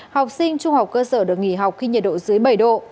học sinh trung học cơ sở được nghỉ học khi nhiệt độ dưới bảy độ